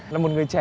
là một người trẻ